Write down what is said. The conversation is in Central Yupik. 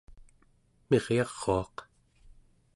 miryaruaq